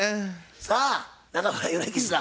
さあ中村米吉さん